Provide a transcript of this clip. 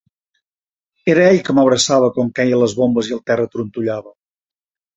Era ell que m'abraçava quan queien les bombes i el terra trontollava.